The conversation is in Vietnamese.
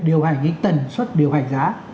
điều hành cái tần suất điều hành giá